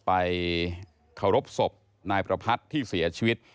ไปเคารพศพนายประพัทธ์ที่เสียชีวิต